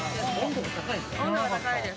温度が高いです。